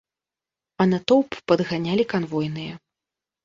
А натоўп падганялі канвойныя.